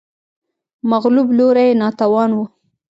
مغلوب لوری ناتوان و